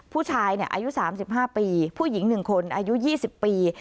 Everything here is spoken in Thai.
ผู้ชายเนี่ยอายุสามสิบห้าปีผู้หญิงหนึ่งคนอายุยี่สิบปี